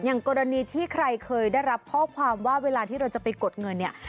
อย่างกรณีที่ใครเคยได้รับข้อความว่าเวลาที่เราจะไปกดเงินเนี่ย